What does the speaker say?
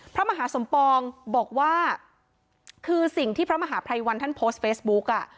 พระมหาสมปองบอกว่าคือสิ่งที่พระมหาภัยวันท่านโพสต์เฟซบุ๊กอ่ะ